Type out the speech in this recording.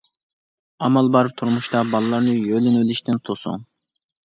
ئامال بار تۇرمۇشتا بالىلارنى يۆلىنىۋېلىشتىن توسۇڭ.